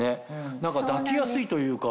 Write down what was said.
何か抱きやすいというか。